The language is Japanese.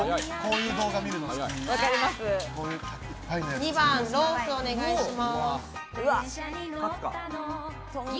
２番ロースお願いします。